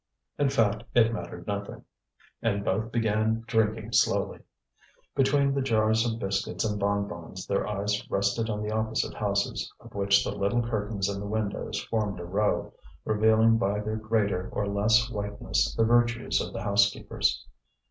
In fact, it mattered nothing. And both began drinking slowly. Between the jars of biscuits and bon bons their eyes rested on the opposite houses, of which the little curtains in the windows formed a row, revealing by their greater or less whiteness the virtues of the housekeepers.